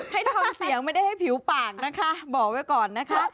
ให้ทำเสียงไม่ได้ให้ผิวปากนะคะบอกไว้ก่อนนะคะ